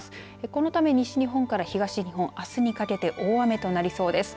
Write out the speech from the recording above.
このため西日本から東日本あすにかけて大雨となりそうです。